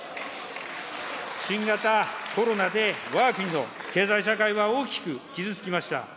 新型コロナで、わが国の経済社会は大きく傷つきました。